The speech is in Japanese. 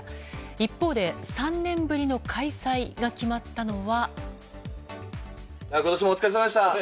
一方で３年ぶりの開催が決まったのは。